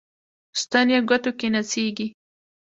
ستن یې ګوتو کې نڅیږي